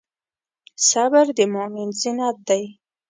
صبر د مؤمن زینت دی.